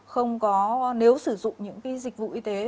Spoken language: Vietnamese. không có nếu sử dụng những cái dịch vụ y tế